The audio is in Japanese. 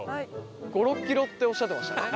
５６キロっておっしゃってましたね。